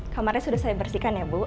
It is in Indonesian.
kamarnya sudah saya bersihkan ya bu